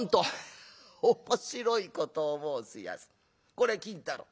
これ金太郎。